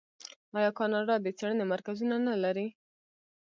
آیا کاناډا د څیړنې مرکزونه نلري؟